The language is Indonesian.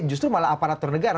justru malah aparatur negara